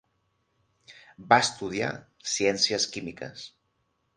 Va estudiar ciències químiques.